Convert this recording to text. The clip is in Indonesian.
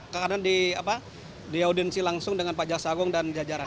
karena di audiensi langsung dengan pak jaksa agung dan jajaran